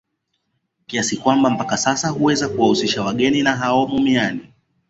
Kiasi kwamba mpaka sasa huweza kuwahusisha wageni na hao mumiani